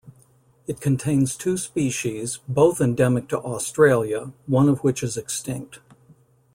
It contains two species both endemic to Australia, one of which is extinct.